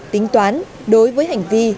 tính toán đối với hành vi